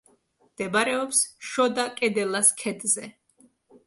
მდებარეობს შოდა-კედელას ქედზე.